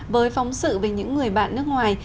với phóng sự về những người bạn nước ngoài